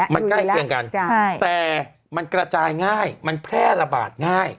มันใกล้เคียงกันแต่มันกระจายง่ายมันแพร่ระบาดง่าย